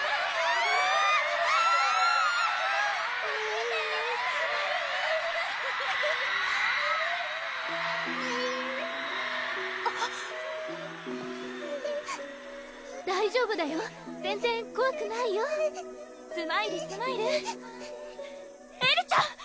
・えるぅえるぅえる大丈夫だよ全然こわくないよスマイルスマイルエルちゃん！